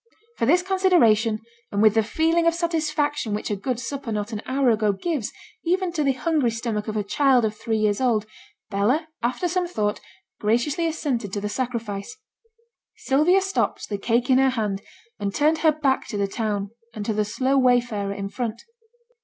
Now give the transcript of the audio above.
For this consideration, and with the feeling of satisfaction which a good supper not an hour ago gives even to the hungry stomach of a child of three years old, Bella, after some thought, graciously assented to the sacrifice. Sylvia stopped, the cake in her hand, and turned her back to the town, and to the slow wayfarer in front.